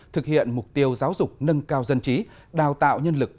thực hiện mục tiêu giáo dục nâng cao dân trí đào tạo nhân lực